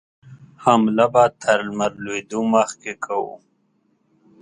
حمله به تر لمر لوېدو مخکې کوو.